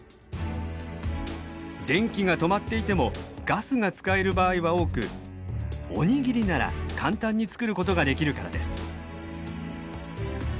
電気が止まっていてもガスが使える場合は多くおにぎりなら簡単に作ることができるからです。